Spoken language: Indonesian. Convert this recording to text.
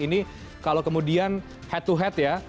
ini kalau kemudian head to head ya